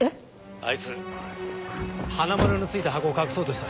あいつ「はなまる」の付いた箱を隠そうとした。